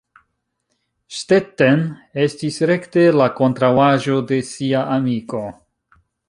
Stetten estis rekte la kontraŭaĵo de sia amiko.